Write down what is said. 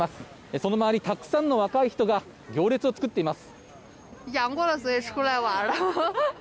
その周りにたくさんの若い人が行列を作っています。